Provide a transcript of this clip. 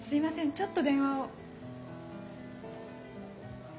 ちょっと電話を。